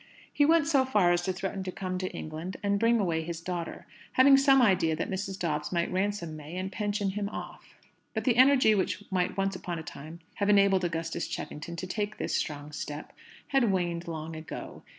He went so far as to threaten to come to England and bring away his daughter: having some idea that Mrs. Dobbs might ransom May, and pension him off. But the energy which might once upon a time have enabled Augustus Cheffington to take this strong step had waned long ago.